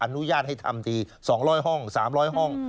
อนุญาตให้ทำที๒๐๐ห้อง๓๐๐ห้อง